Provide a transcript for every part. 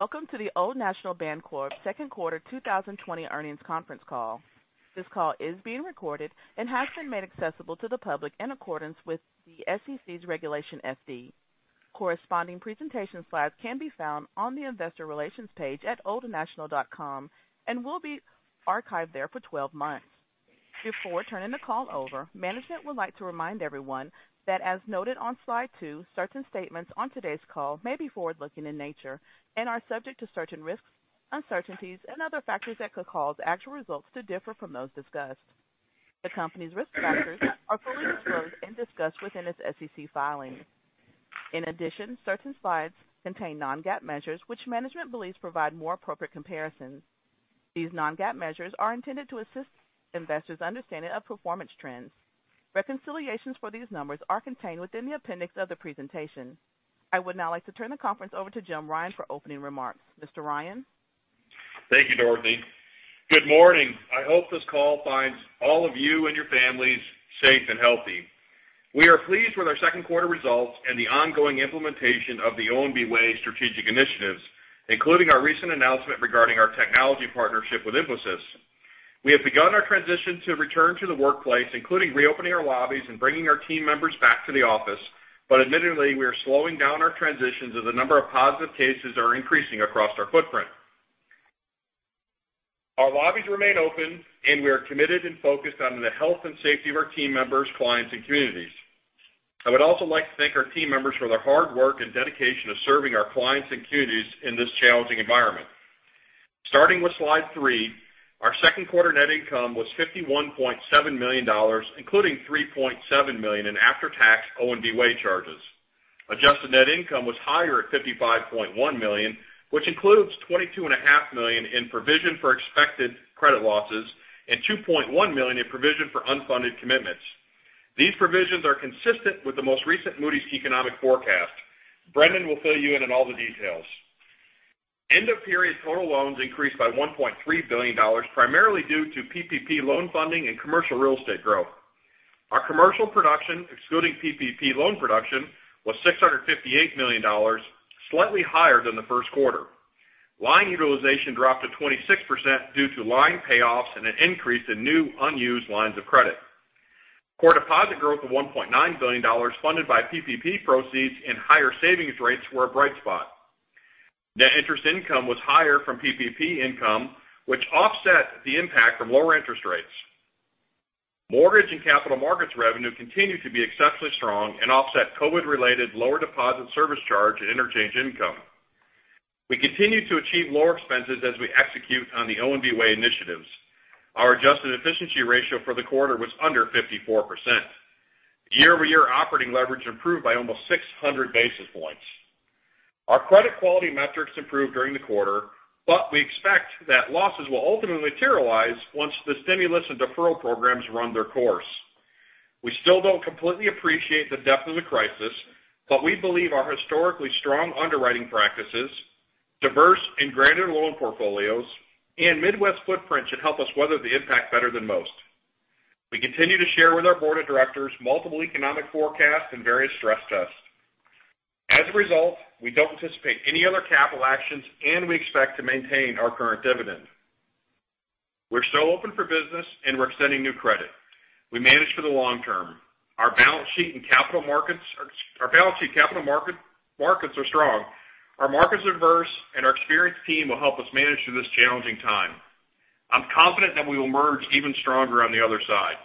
Welcome to the Old National Bancorp second quarter 2020 earnings conference call. This call is being recorded and has been made accessible to the public in accordance with the SEC's Regulation FD. Corresponding presentation slides can be found on the investor relations page at oldnational.com and will be archived there for 12 months. Before turning the call over, management would like to remind everyone that, as noted on slide two, certain statements on today's call may be forward-looking in nature and are subject to certain risks, uncertainties, and other factors that could cause actual results to differ from those discussed. The company's risk factors are fully disclosed and discussed within its SEC filings. In addition, certain slides contain non-GAAP measures, which management believes provide more appropriate comparisons. These non-GAAP measures are intended to assist investors' understanding of performance trends. Reconciliations for these numbers are contained within the appendix of the presentation. I would now like to turn the conference over to Jim Ryan for opening remarks. Mr. Ryan? Thank you, Dorothy. Good morning. I hope this call finds all of you and your families safe and healthy. We are pleased with our second quarter results and the ongoing implementation of the ONB Way strategic initiatives, including our recent announcement regarding our technology partnership with Infosys. We have begun our transition to return to the workplace, including reopening our lobbies and bringing our team members back to the office. Admittedly, we are slowing down our transitions as the number of positive cases are increasing across our footprint. Our lobbies remain open, and we are committed and focused on the health and safety of our team members, clients, and communities. I would also like to thank our team members for their hard work and dedication of serving our clients and communities in this challenging environment. Starting with slide three, our second quarter net income was $51.7 million, including $3.7 million in after-tax ONB Way charges. Adjusted net income was higher at $55.1 million, which includes $22.5 million in provision for expected credit losses and $2.1 million in provision for unfunded commitments. These provisions are consistent with the most recent Moody's economic forecast. Brendon will fill you in on all the details. End-of-period total loans increased by $1.3 billion, primarily due to PPP loan funding and commercial real estate growth. Our commercial production, excluding PPP loan production, was $658 million, slightly higher than the first quarter. Line utilization dropped to 26% due to line payoffs and an increase in new unused lines of credit. Core deposit growth of $1.9 billion, funded by PPP proceeds and higher savings rates, were a bright spot. Net interest income was higher from PPP income, which offset the impact from lower interest rates. Mortgage and capital markets revenue continued to be exceptionally strong and offset COVID-related lower deposit service charge and interchange income. We continue to achieve lower expenses as we execute on the ONB Way initiatives. Our adjusted efficiency ratio for the quarter was under 54%. Year-over-year operating leverage improved by almost 600 basis points. Our credit quality metrics improved during the quarter, but we expect that losses will ultimately materialize once the stimulus and deferral programs run their course. We still don't completely appreciate the depth of the crisis, but we believe our historically strong underwriting practices, diverse and granular loan portfolios, and Midwest footprint should help us weather the impact better than most. We continue to share with our board of directors multiple economic forecasts and various stress tests. We don't anticipate any other capital actions, and we expect to maintain our current dividend. We're still open for business, and we're extending new credit. We manage for the long term. Our balance sheet capital markets are strong. Our market's diverse, and our experienced team will help us manage through this challenging time. I'm confident that we will emerge even stronger on the other side.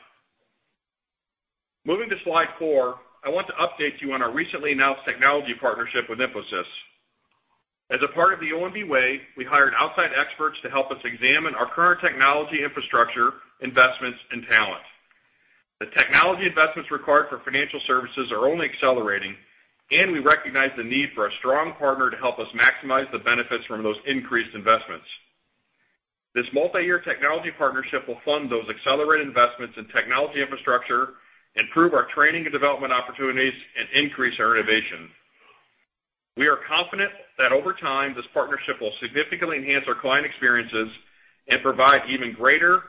Moving to slide four, I want to update you on our recently announced technology partnership with Infosys. As a part of the ONB Way, we hired outside experts to help us examine our current technology infrastructure, investments, and talent. The technology investments required for financial services are only accelerating, and we recognize the need for a strong partner to help us maximize the benefits from those increased investments. This multi-year technology partnership will fund those accelerated investments in technology infrastructure, improve our training and development opportunities, and increase our innovation. We are confident that over time, this partnership will significantly enhance our client experiences and provide even greater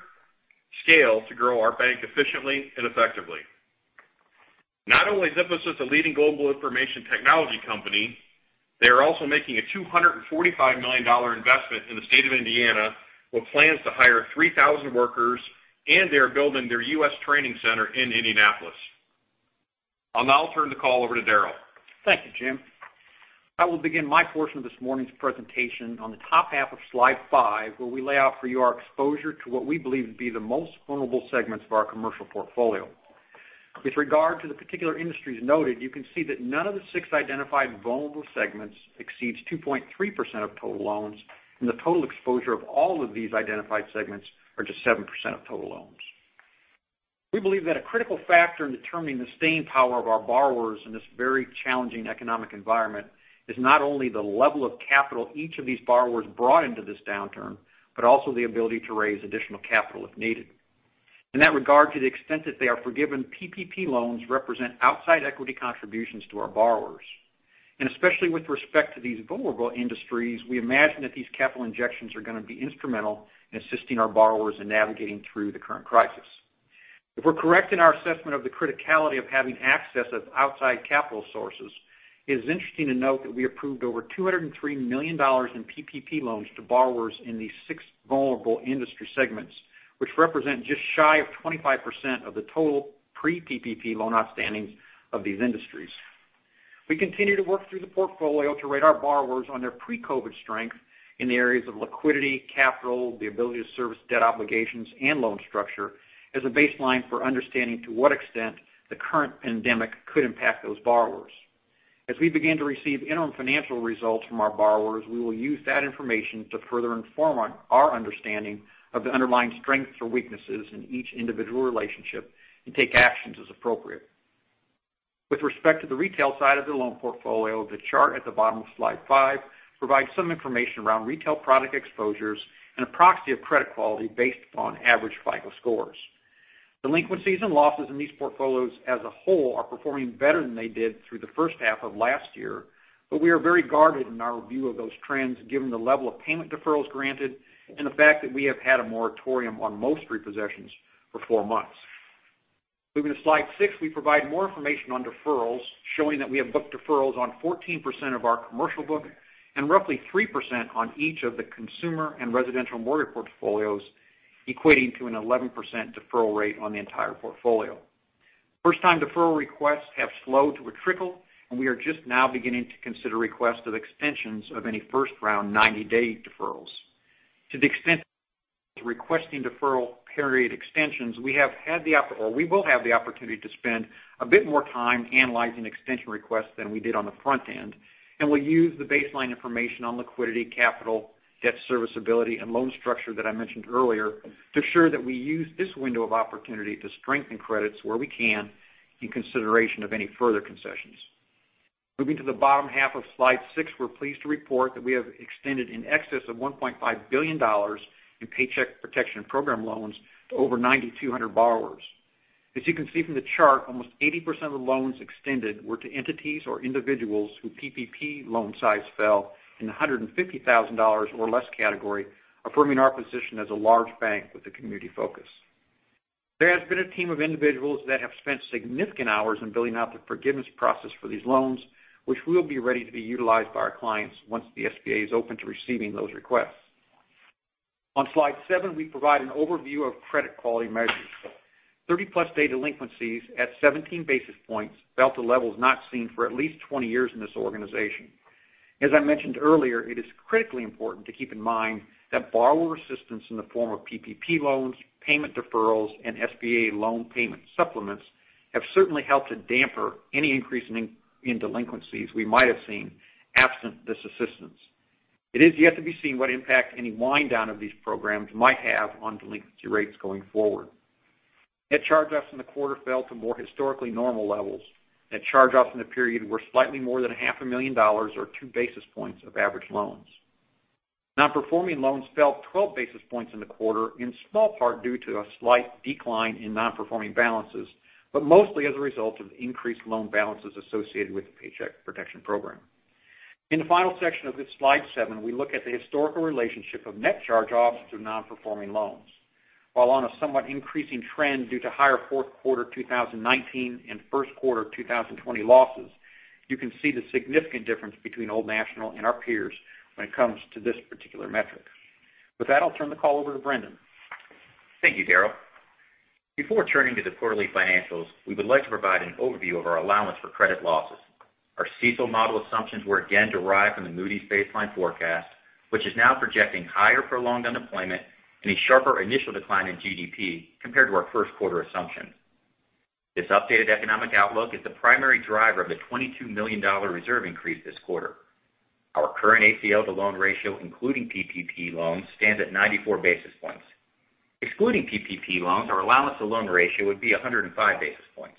scale to grow our bank efficiently and effectively. Not only is Infosys a leading global information technology company, they are also making a $245 million investment in the state of Indiana with plans to hire 3,000 workers, and they are building their U.S. training center in Indianapolis. I'll now turn the call over to Daryl. Thank you, Jim. I will begin my portion of this morning's presentation on the top half of slide five, where we lay out for you our exposure to what we believe to be the most vulnerable segments of our commercial portfolio. With regard to the particular industries noted, you can see that none of the six identified vulnerable segments exceeds 2.3% of total loans, and the total exposure of all of these identified segments are just 7% of total loans. We believe that a critical factor in determining the staying power of our borrowers in this very challenging economic environment is not only the level of capital each of these borrowers brought into this downturn, but also the ability to raise additional capital if needed. In that regard, to the extent that they are forgiven, PPP loans represent outside equity contributions to our borrowers. Especially with respect to these vulnerable industries, we imagine that these capital injections are going to be instrumental in assisting our borrowers in navigating through the current crisis. If we're correct in our assessment of the criticality of having access of outside capital sources, it is interesting to note that we approved over $203 million in PPP loans to borrowers in these six vulnerable industry segments, which represent just shy of 25% of the total pre-PPP loan outstandings of these industries. We continue to work through the portfolio to rate our borrowers on their pre-COVID strength in the areas of liquidity, capital, the ability to service debt obligations, and loan structure as a baseline for understanding to what extent the current pandemic could impact those borrowers. As we begin to receive interim financial results from our borrowers, we will use that information to further inform our understanding of the underlying strengths or weaknesses in each individual relationship and take actions as appropriate. With respect to the retail side of the loan portfolio, the chart at the bottom of slide five provides some information around retail product exposures and a proxy of credit quality based upon average FICO scores. Delinquencies and losses in these portfolios as a whole are performing better than they did through the first half of last year. We are very guarded in our view of those trends, given the level of payment deferrals granted and the fact that we have had a moratorium on most repossessions for four months. Moving to slide six, we provide more information on deferrals, showing that we have booked deferrals on 14% of our commercial book and roughly 3% on each of the consumer and residential mortgage portfolios, equating to an 11% deferral rate on the entire portfolio. First-time deferral requests have slowed to a trickle, we are just now beginning to consider requests of extensions of any first-round 90-day deferrals. To the extent requesting deferral period extensions, we will have the opportunity to spend a bit more time analyzing extension requests than we did on the front end, and we'll use the baseline information on liquidity, capital, debt serviceability, and loan structure that I mentioned earlier to ensure that we use this window of opportunity to strengthen credits where we can in consideration of any further concessions. Moving to the bottom half of slide six, we're pleased to report that we have extended in excess of $1.5 billion in Paycheck Protection Program loans to over 9,200 borrowers. As you can see from the chart, almost 80% of the loans extended were to entities or individuals who PPP loan size fell in the $150,000 or less category, affirming our position as a large bank with a community focus. There has been a team of individuals that have spent significant hours in building out the forgiveness process for these loans, which will be ready to be utilized by our clients once the SBA is open to receiving those requests. On slide seven, we provide an overview of credit quality measures. Thirty-plus day delinquencies at 17 basis points fell to levels not seen for at least 20 years in this organization. As I mentioned earlier, it is critically important to keep in mind that borrower assistance in the form of PPP loans, payment deferrals, and SBA loan payment supplements have certainly helped to damper any increase in delinquencies we might have seen absent this assistance. It is yet to be seen what impact any wind down of these programs might have on delinquency rates going forward. Net charge-offs in the quarter fell to more historically normal levels. Net charge-offs in the period were slightly more than a half a million dollars or two basis points of average loans. Non-performing loans fell 12 basis points in the quarter, in small part due to a slight decline in non-performing balances, but mostly as a result of increased loan balances associated with the Paycheck Protection Program. In the final section of this slide seven, we look at the historical relationship of net charge-offs to non-performing loans. While on a somewhat increasing trend due to higher fourth quarter 2019 and first quarter 2020 losses, you can see the significant difference between Old National and our peers when it comes to this particular metric. With that, I'll turn the call over to Brendon. Thank you, Daryl. Before turning to the quarterly financials, we would like to provide an overview of our allowance for credit losses. Our CECL model assumptions were again derived from the Moody's baseline forecast, which is now projecting higher prolonged unemployment and a sharper initial decline in GDP compared to our first quarter assumption. This updated economic outlook is the primary driver of the $22 million reserve increase this quarter. Our current ACL to loan ratio, including PPP loans, stands at 94 basis points. Excluding PPP loans, our allowance to loan ratio would be 105 basis points.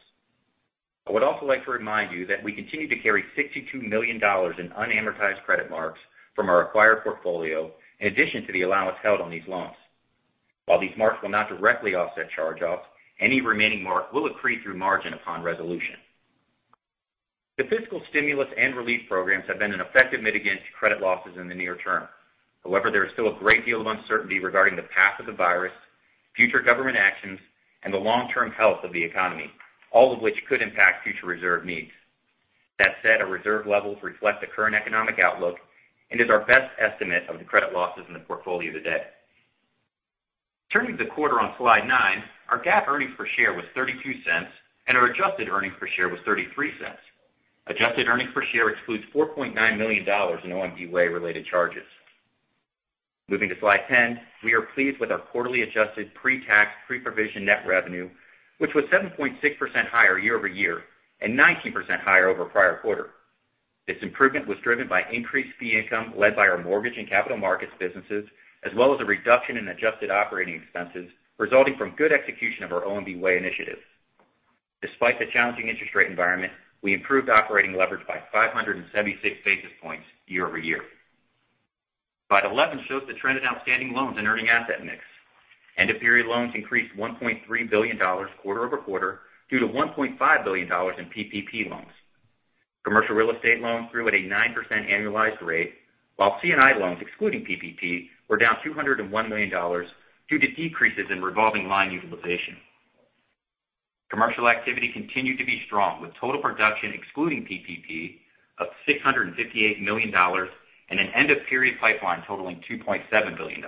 I would also like to remind you that we continue to carry $62 million in unamortized credit marks from our acquired portfolio, in addition to the allowance held on these loans. While these marks will not directly offset charge-offs, any remaining mark will accrete through margin upon resolution. The fiscal stimulus and relief programs have been an effective mitigant to credit losses in the near term. However, there is still a great deal of uncertainty regarding the path of the virus, future government actions, and the long-term health of the economy, all of which could impact future reserve needs. That said, our reserve levels reflect the current economic outlook and is our best estimate of the credit losses in the portfolio today. Turning to the quarter on slide nine, our GAAP earnings per share was $0.32, and our adjusted earnings per share was $0.33. Adjusted earnings per share excludes $4.9 million in ONB Way-related charges. Moving to slide 10, we are pleased with our quarterly adjusted pre-tax, pre-provision net revenue, which was 7.6% higher year-over-year and 19% higher over prior quarter. This improvement was driven by increased fee income led by our mortgage and capital markets businesses, as well as a reduction in adjusted operating expenses resulting from good execution of our ONB Way initiatives. Despite the challenging interest rate environment, we improved operating leverage by 576 basis points year-over-year. Slide 11 shows the trend in outstanding loans and earning asset mix. End of period loans increased $1.3 billion quarter-over-quarter due to $1.5 billion in PPP loans. Commercial real estate loans grew at a 9% annualized rate, while C&I loans, excluding PPP, were down $201 million due to decreases in revolving line utilization. Commercial activity continued to be strong, with total production excluding PPP of $658 million and an end-of-period pipeline totaling $2.7 billion.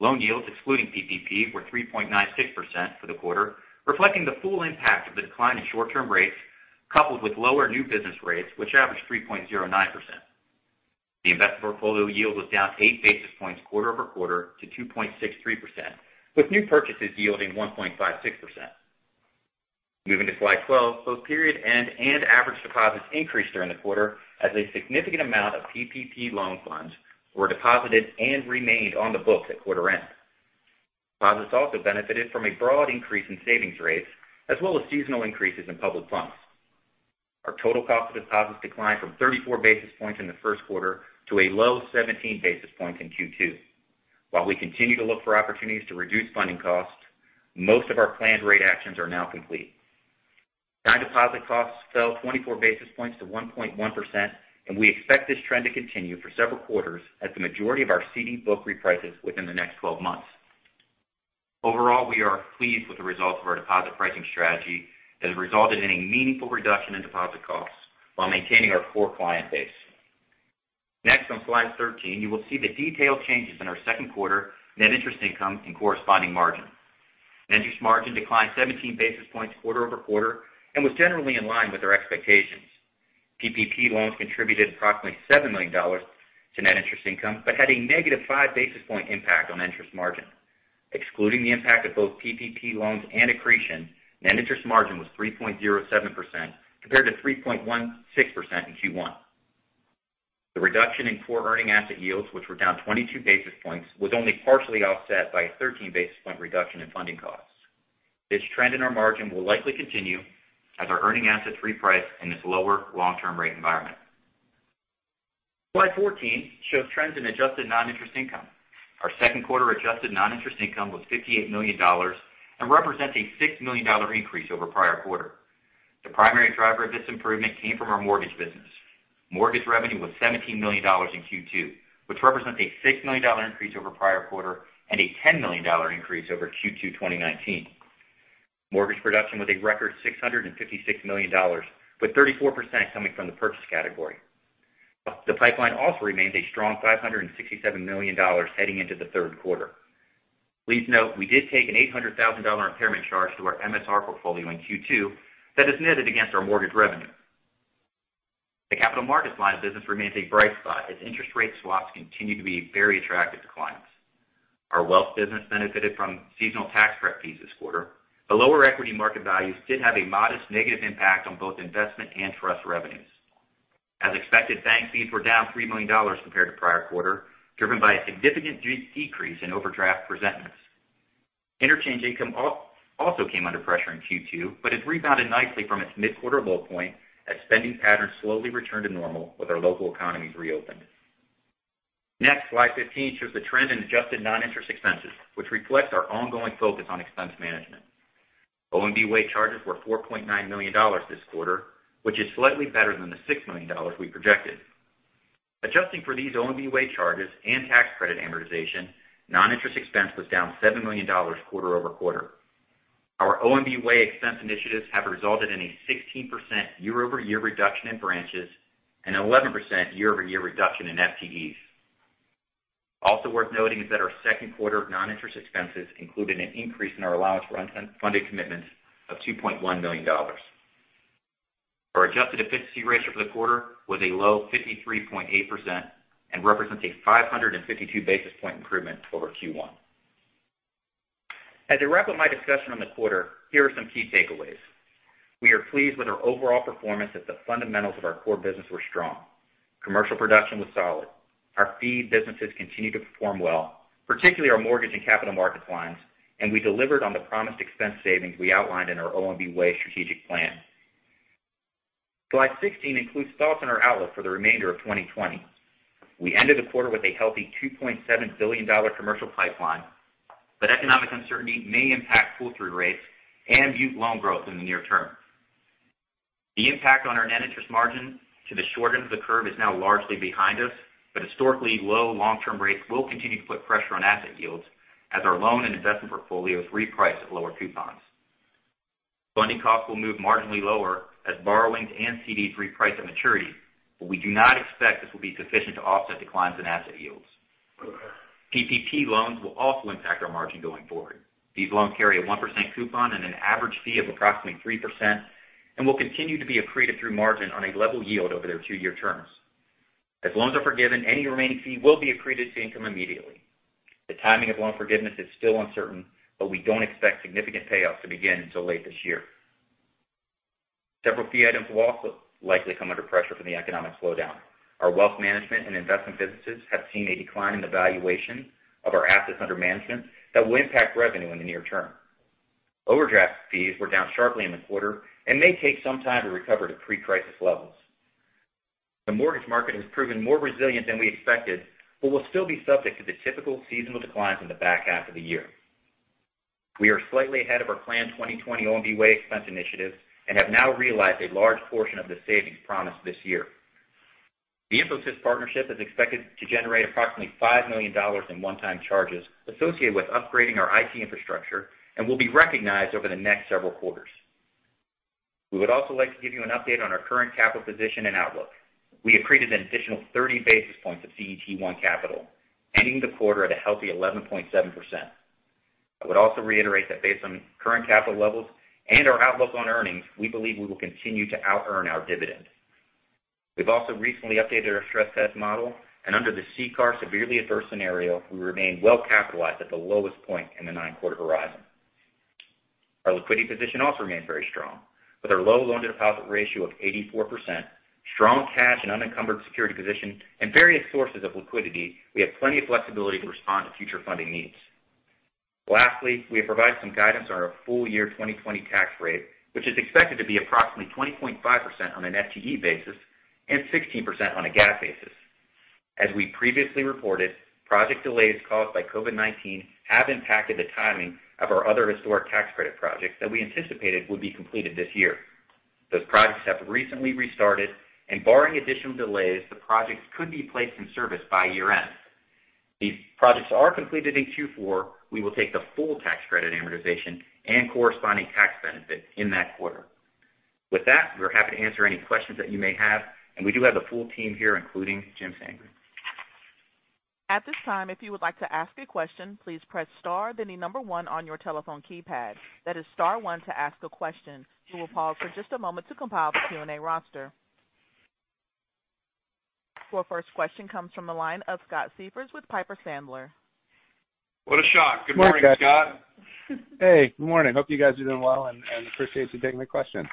Loan yields excluding PPP were 3.96% for the quarter, reflecting the full impact of the decline in short-term rates, coupled with lower new business rates, which averaged 3.09%. The investment portfolio yield was down eight basis points quarter-over-quarter to 2.63%, with new purchases yielding 1.56%. Moving to slide 12, both period end and average deposits increased during the quarter as a significant amount of PPP loan funds were deposited and remained on the books at quarter end. Deposits also benefited from a broad increase in savings rates as well as seasonal increases in public funds. Our total cost of deposits declined from 34 basis points in the first quarter to a low 17 basis points in Q2. While we continue to look for opportunities to reduce funding costs, most of our planned rate actions are now complete. Non-deposit costs fell 24 basis points to 1.1%, and we expect this trend to continue for several quarters as the majority of our CD book reprices within the next 12 months. Overall, we are pleased with the results of our deposit pricing strategy that has resulted in a meaningful reduction in deposit costs while maintaining our core client base. Next, on slide 13, you will see the detailed changes in our second quarter net interest income and corresponding margin. Net interest margin declined 17 basis points quarter-over-quarter and was generally in line with our expectations. PPP loans contributed approximately $7 million to net interest income, but had a negative five basis point impact on interest margin. Excluding the impact of both PPP loans and accretion, net interest margin was 3.07%, compared to 3.16% in Q1. The reduction in core earning asset yields, which were down 22 basis points, was only partially offset by a 13 basis point reduction in funding costs. This trend in our margin will likely continue as our earning assets reprice in this lower long-term rate environment. Slide 14 shows trends in adjusted non-interest income. Our second quarter adjusted non-interest income was $58 million and represents a $6 million increase over prior quarter. The primary driver of this improvement came from our mortgage business. Mortgage revenue was $17 million in Q2, which represents a $6 million increase over prior quarter and a $10 million increase over Q2 2019. Mortgage production was a record $656 million, with 34% coming from the purchase category. The pipeline also remains a strong $567 million heading into the third quarter. Please note, we did take an $800,000 impairment charge to our MSR portfolio in Q2 that is netted against our mortgage revenue. The capital markets line of business remains a bright spot as interest rate swaps continue to be very attractive to clients. Our wealth business benefited from seasonal tax prep fees this quarter, but lower equity market values did have a modest negative impact on both investment and trust revenues. As expected, bank fees were down $3 million compared to prior quarter, driven by a significant decrease in overdraft presentments. Interchange income also came under pressure in Q2, but has rebounded nicely from its mid-quarter low point as spending patterns slowly return to normal with our local economies reopened. Next, slide 15 shows the trend in adjusted non-interest expenses, which reflects our ongoing focus on expense management. ONB Way charges were $4.9 million this quarter, which is slightly better than the $6 million we projected. Adjusting for these ONB Way charges and tax credit amortization, non-interest expense was down $7 million quarter-over-quarter. Our ONB Way expense initiatives have resulted in a 16% year-over-year reduction in branches and 11% year-over-year reduction in FTEs. Also worth noting is that our second quarter of non-interest expenses included an increase in our allowance for unfunded commitments of $2.1 million. Our adjusted efficiency ratio for the quarter was a low 53.8% and represents a 552 basis point improvement over Q1. As I wrap up my discussion on the quarter, here are some key takeaways. We are pleased with our overall performance as the fundamentals of our core business were strong. Commercial production was solid. Our fee businesses continued to perform well, particularly our mortgage and capital markets lines, and we delivered on the promised expense savings we outlined in our ONB Way strategic plan. Slide 16 includes thoughts on our outlook for the remainder of 2020. We ended the quarter with a healthy $2.7 billion commercial pipeline, but economic uncertainty may impact pull-through rates and mute loan growth in the near term. The impact on our net interest margin to the short end of the curve is now largely behind us, but historically low long-term rates will continue to put pressure on asset yields as our loan and investment portfolios reprice at lower coupons. Funding costs will move marginally lower as borrowings and CDs reprice at maturity, but we do not expect this will be sufficient to offset declines in asset yields. PPP loans will also impact our margin going forward. These loans carry a 1% coupon and an average fee of approximately 3% and will continue to be accreted through margin on a level yield over their two-year terms. As loans are forgiven, any remaining fee will be accreted to income immediately. The timing of loan forgiveness is still uncertain, but we don't expect significant payoffs to begin until late this year. Several fee items will also likely come under pressure from the economic slowdown. Our wealth management and investment businesses have seen a decline in the valuation of our assets under management that will impact revenue in the near term. Overdraft fees were down sharply in the quarter and may take some time to recover to pre-crisis levels. The mortgage market has proven more resilient than we expected, but will still be subject to the typical seasonal declines in the back half of the year. We are slightly ahead of our planned 2020 ONB expense initiatives and have now realized a large portion of the savings promised this year. The Infosys partnership is expected to generate approximately $5 million in one-time charges associated with upgrading our IT infrastructure and will be recognized over the next several quarters. We would also like to give you an update on our current capital position and outlook. We accreted an additional 30 basis points of CET1 capital, ending the quarter at a healthy 11.7%. I would also reiterate that based on current capital levels and our outlook on earnings, we believe we will continue to out earn our dividend. We've also recently updated our stress test model, and under the CCAR severely adverse scenario, we remain well-capitalized at the lowest point in the nine-quarter horizon. Our liquidity position also remains very strong. With our low loan-deposit ratio of 84%, strong cash and unencumbered security position, and various sources of liquidity, we have plenty of flexibility to respond to future funding needs. Lastly, we have provided some guidance on our full year 2020 tax rate, which is expected to be approximately 20.5% on an FTE basis and 16% on a GAAP basis. As we previously reported, project delays caused by COVID-19 have impacted the timing of our other historic tax credit projects that we anticipated would be completed this year. Those projects have recently restarted, and barring additional delays, the projects could be placed in service by year-end. If these projects are completed in Q4, we will take the full tax credit amortization and corresponding tax benefit in that quarter. With that, we're happy to answer any questions that you may have, and we do have the full team here, including Jim Sandgren. At this time, if you would like to ask a question, please press star, then the number one on your telephone keypad. That is star one to ask a question. We will pause for just a moment to compile the Q&A roster. Your first question comes from the line of Scott Siefers with Piper Sandler. What a shock. Good morning, Scott. Hey, good morning. Hope you guys are doing well and appreciate you taking my question.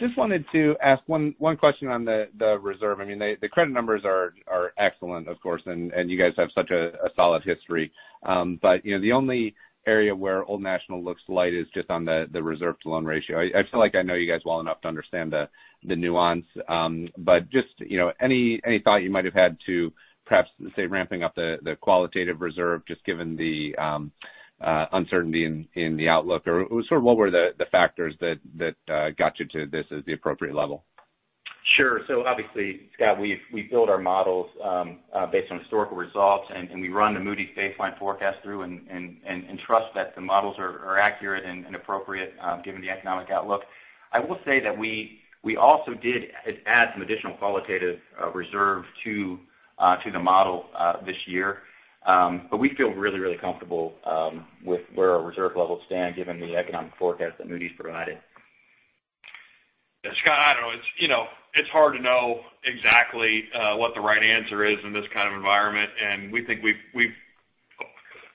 Just wanted to ask one question on the reserve. The credit numbers are excellent, of course, and you guys have such a solid history. The only area where Old National looks light is just on the reserve to loan ratio. I feel like I know you guys well enough to understand the nuance. Just any thought you might have had to perhaps, say, ramping up the qualitative reserve, just given the uncertainty in the outlook? What were the factors that got you to this as the appropriate level? Sure. Obviously, Scott, we build our models based on historical results, and we run the Moody's baseline forecast through and trust that the models are accurate and appropriate given the economic outlook. I will say that we also did add some additional qualitative reserve to the model this year. We feel really comfortable with where our reserve levels stand given the economic forecast that Moody's provided. Scott, I don't know. It's hard to know exactly what the right answer is in this kind of environment, and we think we've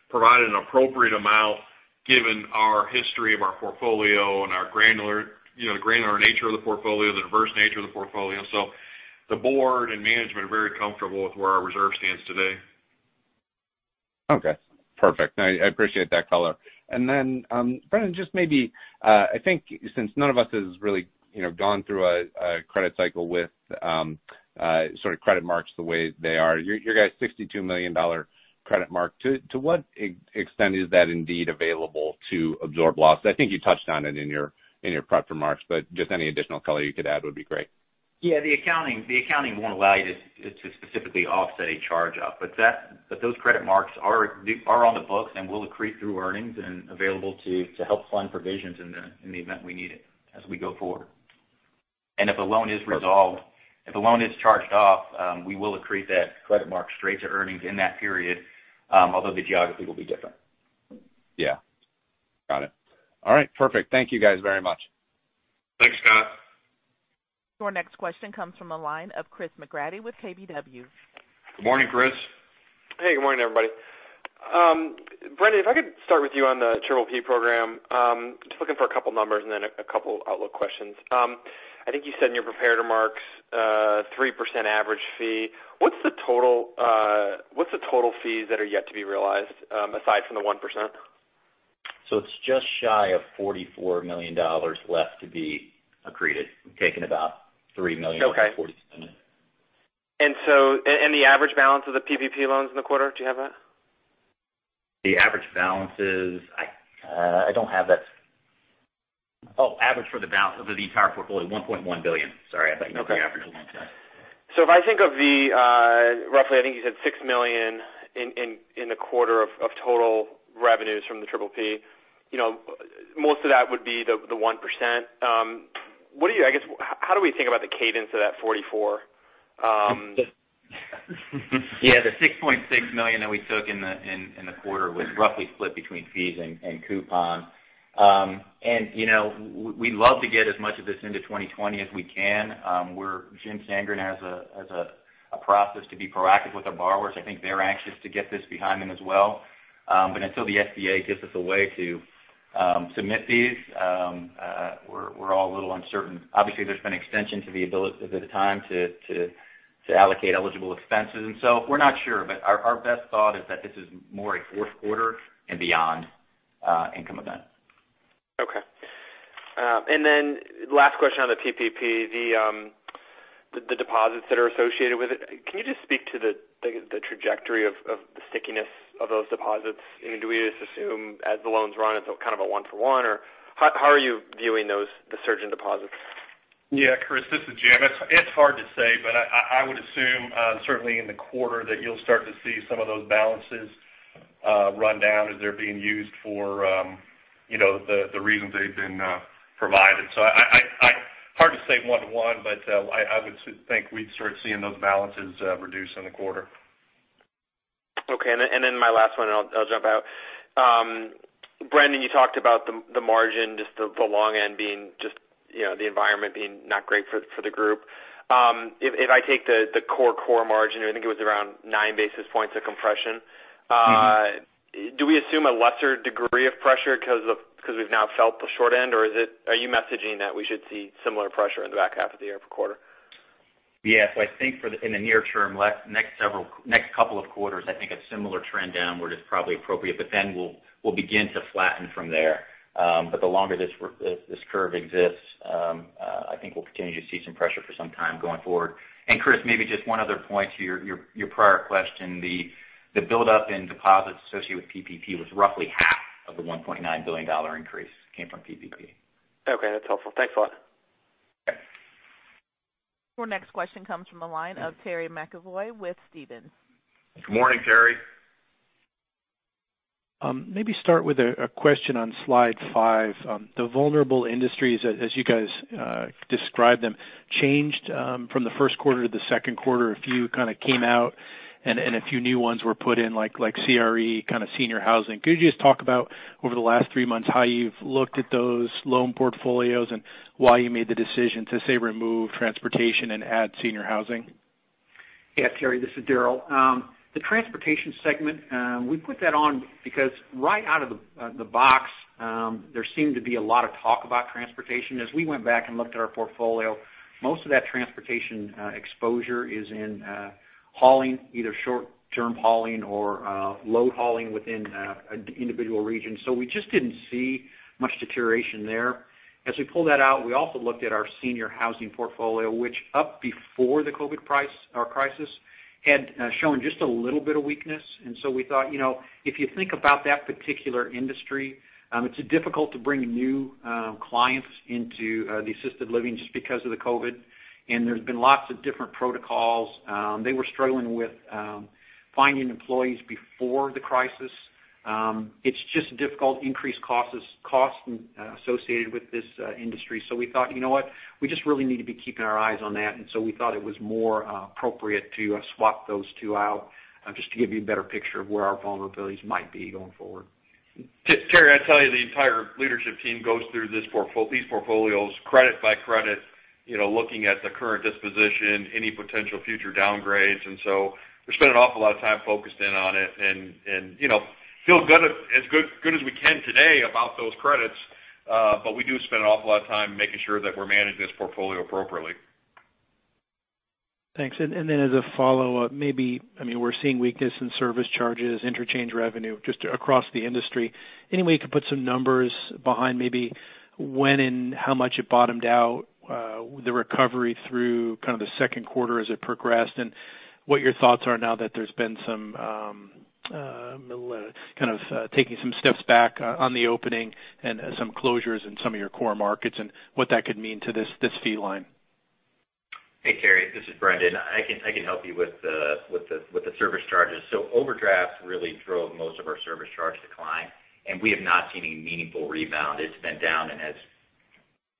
provided an appropriate amount given our history of our portfolio and the granular nature of the portfolio, the diverse nature of the portfolio. The board and management are very comfortable with where our reserve stands today. Okay, perfect. I appreciate that color. Then Brendon, just maybe, I think since none of us has really gone through a credit cycle with credit marks the way they are. Your guys' $62-million credit mark, to what extent is that indeed available to absorb loss? I think you touched on it in your prepared remarks, but just any additional color you could add would be great. Yeah, the accounting won't allow you to specifically offset a charge off. Those credit marks are on the books and will accrete through earnings and available to help fund provisions in the event we need it as we go forward. If a loan is resolved, if a loan is charged off, we will accrete that credit mark straight to earnings in that period, although the geography will be different. Yeah. Got it. All right. Perfect. Thank you guys very much. Thanks, Scott. Your next question comes from the line of Chris McGratty with KBW. Good morning, Chris. Hey, good morning, everybody. Brendon, if I could start with you on the PPP program. Just looking for a couple of numbers and then a couple outlook questions. I think you said in your prepared remarks 3% average fee. What's the total fees that are yet to be realized aside from the 1%? It's just shy of $44 million left to be accreted. We've taken about $3 million of that $47 million. Okay. The average balance of the PPP loans in the quarter, do you have that? The average balances, I don't have that. Oh, average for the entire portfolio, $1.1 billion. Sorry, I thought you meant the average amount. Okay. If I think of the roughly, I think you said $6 million in the quarter of total revenues from the PPP. Most of that would be the 1%. How do we think about the cadence of that 44? The $6.6 million that we took in the quarter was roughly split between fees and coupon. We'd love to get as much of this into 2020 as we can. Jim Sandgren has a process to be proactive with our borrowers. I think they're anxious to get this behind them as well. Until the SBA gives us a way to submit these, we're all a little uncertain. Obviously, there's been extension to the time to allocate eligible expenses, and so we're not sure. Our best thought is that this is more a fourth quarter and beyond income event. Last question on the PPP, the deposits that are associated with it, can you just speak to the trajectory of the stickiness of those deposits? Do we just assume as the loans run, it's kind of a one for one? How are you viewing the surge in deposits? Yeah, Chris, this is Jim. It's hard to say, but I would assume, certainly in the quarter, that you'll start to see some of those balances run down as they're being used for the reasons they've been provided. Hard to say one to one, but I would think we'd start seeing those balances reduce in the quarter. Okay. My last one, and I'll jump out. Brendon, you talked about the margin, just the long end being the environment being not great for the group. If I take the core margin, I think it was around nine basis points of compression. Do we assume a lesser degree of pressure because we've now felt the short end, or are you messaging that we should see similar pressure in the back half of the year per quarter? Yes, I think in the near term, next couple of quarters, I think a similar trend downward is probably appropriate, but then we'll begin to flatten from there. The longer this curve exists, I think we'll continue to see some pressure for some time going forward. Chris, maybe just one other point to your prior question. The buildup in deposits associated with PPP was roughly half of the $1.9 billion increase came from PPP. Okay, that's helpful. Thanks a lot. Okay. Your next question comes from the line of Terry McEvoy with Stephens. Good morning, Terry. Start with a question on slide five. The vulnerable industries, as you guys described them, changed from the first quarter to the second quarter. A few kind of came out and a few new ones were put in, like CRE, kind of senior housing. Could you just talk about over the last three months how you've looked at those loan portfolios and why you made the decision to, say, remove transportation and add senior housing? Yeah, Terry, this is Daryl. The transportation segment we put that on because right out of the box there seemed to be a lot of talk about transportation. As we went back and looked at our portfolio, most of that transportation exposure is in hauling, either short-term hauling or local hauling within an individual region. We just didn't see much deterioration there. As we pulled that out, we also looked at our senior housing portfolio, which up before the COVID crisis had shown just a little bit of weakness. We thought if you think about that particular industry, it's difficult to bring new clients into the assisted living just because of the COVID. There's been lots of different protocols. They were struggling with finding employees before the crisis. It's just difficult, increased costs associated with this industry. We thought, you know what. We just really need to be keeping our eyes on that. We thought it was more appropriate to swap those two out just to give you a better picture of where our vulnerabilities might be going forward. Terry, I'd tell you the entire leadership team goes through these portfolios credit by credit, looking at the current disposition, any potential future downgrades, and so we spend an awful lot of time focused in on it and feel as good as we can today about those credits. We do spend an awful lot of time making sure that we're managing this portfolio appropriately. Thanks. As a follow-up, maybe, we're seeing weakness in service charges, interchange revenue just across the industry. Any way you could put some numbers behind maybe when and how much it bottomed out, the recovery through kind of the second quarter as it progressed, and what your thoughts are now that there's been some kind of taking some steps back on the opening and some closures in some of your core markets, and what that could mean to this fee line. Hey, Terry, this is Brendon. I can help you with the service charges. Overdrafts really drove most of our service charge decline, and we have not seen any meaningful rebound. It's been down and has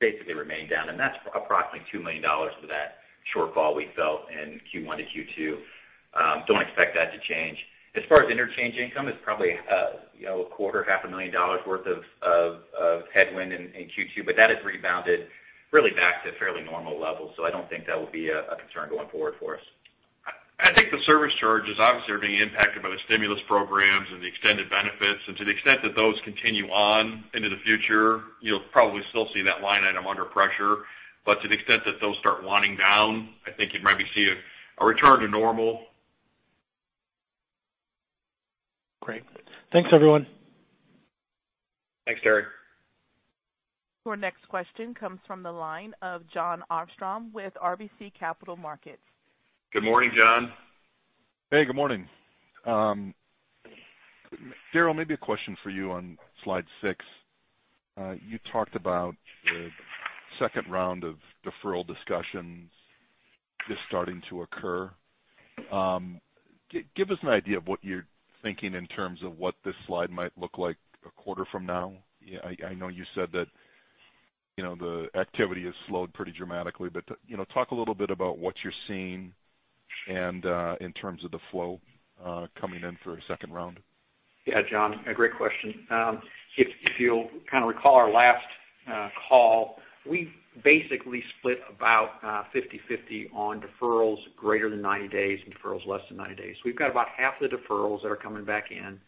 basically remained down, and that's approximately $2 million of that shortfall we felt in Q1 to Q2. Don't expect that to change. As far as interchange income, it's probably a quarter, half a million dollars worth of headwind in Q2, but that has rebounded really back to fairly normal levels. I don't think that will be a concern going forward for us. I think the service charges obviously are being impacted by the stimulus programs and the extended benefits. To the extent that those continue on into the future, you'll probably still see that line item under pressure. To the extent that those start waning down, I think you'd maybe see a return to normal. Great. Thanks, everyone. Thanks, Terry. Your next question comes from the line of Jon Arfstrom with RBC Capital Markets. Good morning, Jon. Hey, good morning. Daryl, maybe a question for you on slide six. You talked about the second round of deferral discussions just starting to occur. Give us an idea of what you're thinking in terms of what this slide might look like a quarter from now. I know you said that the activity has slowed pretty dramatically, but talk a little bit about what you're seeing and in terms of the flow coming in for a second round. Yeah, Jon, a great question. You'll kind of recall our last call, we basically split about 50/50 on deferrals greater than 90 days and deferrals less than 90 days. We've got about half the deferrals that are coming back in,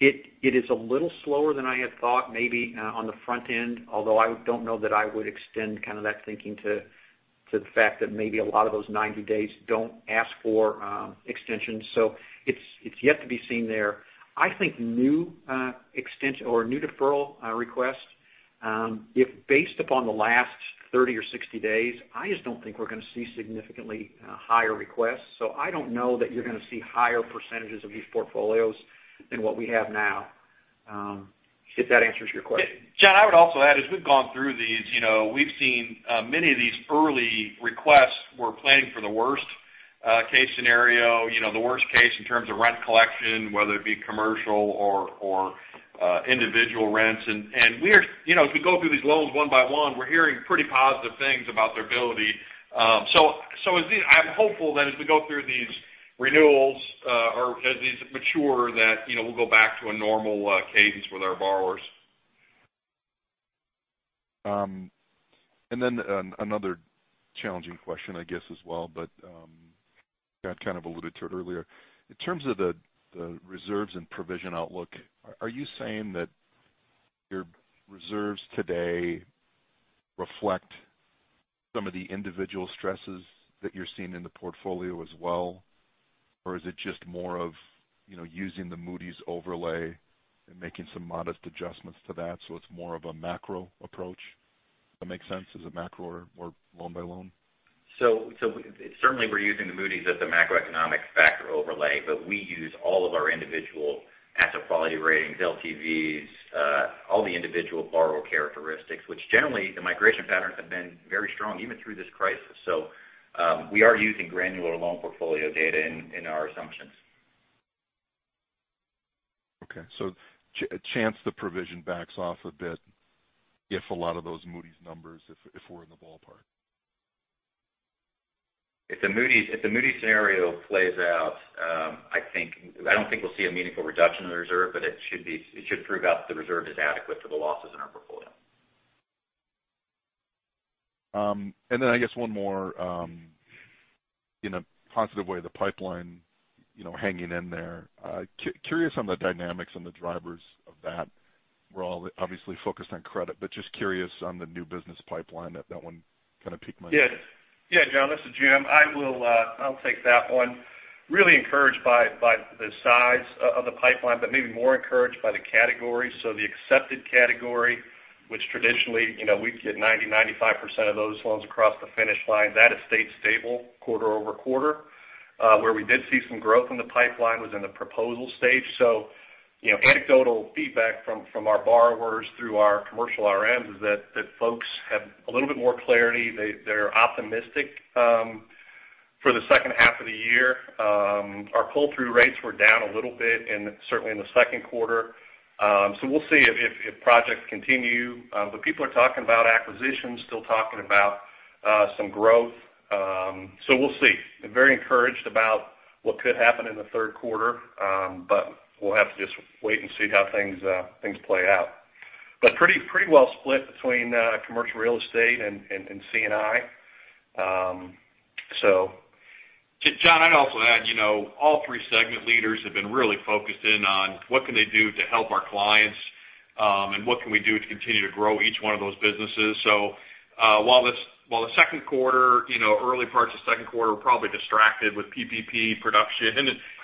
it is a little slower than I had thought maybe on the front end, although I don't know that I would extend kind of that thinking to the fact that maybe a lot of those 90 days don't ask for extensions. It's yet to be seen there. I think new extension or new deferral requests, if based upon the last 30 or 60 days, I just don't think we're going to see significantly higher requests. I don't know that you're going to see higher % of these portfolios than what we have now. That answers your question. Jon, I would also add, as we've gone through these, we've seen many of these early requests were planning for the worst case scenario, the worst case in terms of rent collection, whether it be commercial or individual rents. As we go through these loans one by one, we're hearing pretty positive things about their ability. I'm hopeful that as we go through these renewals, or as these mature, that we'll go back to a normal cadence with our borrowers. Another challenging question, I guess as well, but kind of alluded to it earlier. In terms of the reserves and provision outlook, are you saying that your reserves today reflect some of the individual stresses that you're seeing in the portfolio as well? Or is it just more of using the Moody's overlay and making some modest adjustments to that so it's more of a macro approach? That make sense as a macro or loan by loan? Certainly we're using the Moody's as the macroeconomic factor overlay, but we use all of our individual asset quality ratings, LTVs, all the individual borrower characteristics, which generally the migration patterns have been very strong even through this crisis. We are using granular loan portfolio data in our assumptions. Okay. A chance the provision backs off a bit if a lot of those Moody's numbers, if we're in the ballpark. If the Moody's scenario plays out, I don't think we'll see a meaningful reduction in the reserve, but it should prove out that the reserve is adequate for the losses in our portfolio. I guess one more in a positive way, the pipeline hanging in there, curious on the dynamics and the drivers of that. We're all obviously focused on credit, but just curious on the new business pipeline. That one kind of piqued my interest. Yeah. Jon, this is Jim. I'll take that one. Really encouraged by the size of the pipeline, but maybe more encouraged by the category. The accepted category, which traditionally we get 90%, 95% of those loans across the finish line, that has stayed stable quarter-over-quarter. Where we did see some growth in the pipeline was in the proposal stage. Anecdotal feedback from our borrowers through our commercial RMs is that folks have a little bit more clarity. They're optimistic for the second half of the year. Our pull-through rates were down a little bit, and certainly in the second quarter. We'll see if projects continue. People are talking about acquisitions, still talking about some growth. We'll see. Very encouraged about what could happen in the third quarter. We'll have to just wait and see how things play out. Pretty well split between commercial real estate and C&I. Jon, I'd also add, all three segment leaders have been really focused in on what can they do to help our clients, and what can we do to continue to grow each one of those businesses. While the early parts of second quarter were probably distracted with PPP production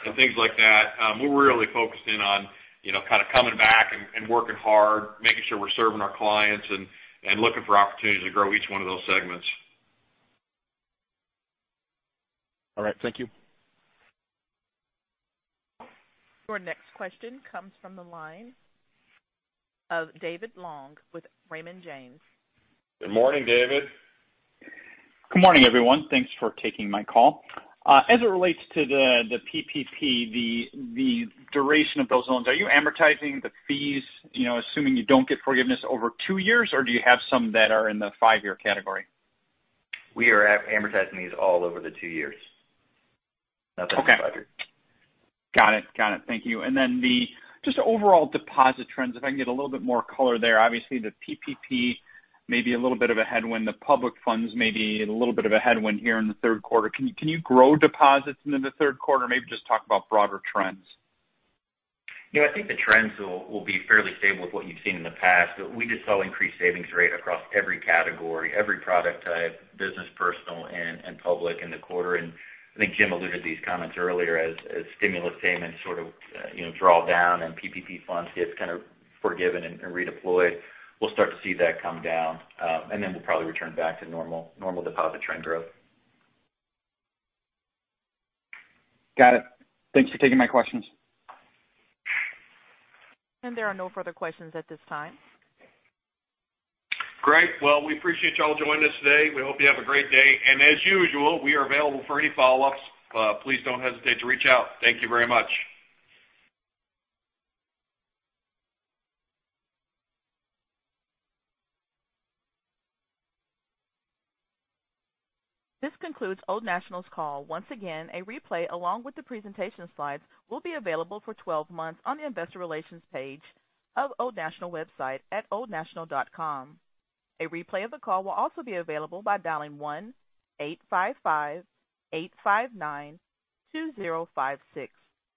and things like that, we're really focused in on kind of coming back and working hard, making sure we're serving our clients and looking for opportunities to grow each one of those segments. All right. Thank you. Your next question comes from the line of David Long with Raymond James. Good morning, David. Good morning, everyone. Thanks for taking my call. As it relates to the PPP, the duration of those loans, are you amortizing the fees assuming you don't get forgiveness over two years? Or do you have some that are in the five-year category? We are amortizing these all over the two years. Okay. [Nothing's longer]. Got it. Thank you. Just overall deposit trends, if I can get a little bit more color there. Obviously, the PPP may be a little bit of a headwind. The public funds may be a little bit of a headwind here in the third quarter. Can you grow deposits into the third quarter? Maybe just talk about broader trends. Yeah, I think the trends will be fairly stable with what you've seen in the past. We just saw increased savings rate across every category, every product type, business, personal, and public in the quarter. I think Jim alluded to these comments earlier as stimulus payments sort of draw down and PPP funds get kind of forgiven and redeployed. We'll start to see that come down. We'll probably return back to normal deposit trend growth. Got it. Thanks for taking my questions. There are no further questions at this time. Great. Well, we appreciate you all joining us today. We hope you have a great day. As usual, we are available for any follow-ups. Please don't hesitate to reach out. Thank you very much. This concludes Old National's call. Once again, a replay along with the presentation slides will be available for 12 months on the investor relations page of Old National website at oldnational.com. A replay of the call will also be available by dialing 1-855-859-2056,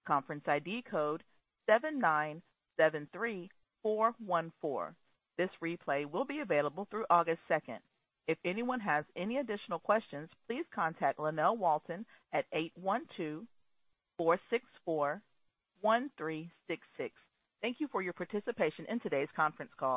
conference ID code 7973414. This replay will be available through August 2nd. If anyone has any additional questions, please contact Lynell Walton at 812-464-1366. Thank you for your participation in today's conference call.